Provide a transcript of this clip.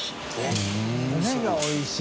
米がおいしい」